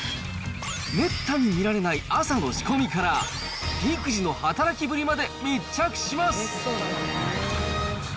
めったに見られない朝の仕込みから、ピーク時の働きぶりまで密着します。